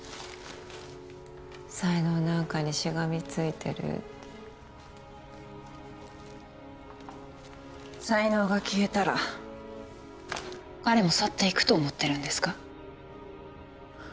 才能なんかにしがみついてるって才能が消えたら彼も去っていくと思ってるんですか？